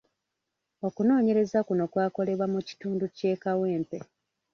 Okunoonyereza kuno kwakolebwa mu kitundu ky'e Kawempe.